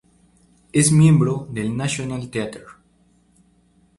Es miembro del "National Theatre".